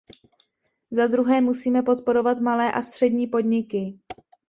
Zadruhé, musíme podporovat malé a střední podniky.